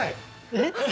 えっ？